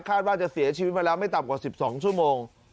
ว่าจะเสียชีวิตมาแล้วไม่ต่ำกว่า๑๒ชั่วโมง